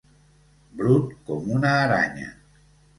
Brut com una aranya.